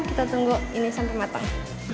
kita tunggu ini sampai matang